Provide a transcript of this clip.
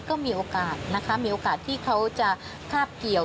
ก็มีโอกาสนะคะมีโอกาสที่เขาจะคาบเกี่ยว